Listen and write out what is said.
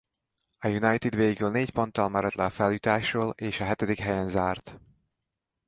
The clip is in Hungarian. A United végül négy ponttal maradt le a feljutásról és a hetedik helyen zárt.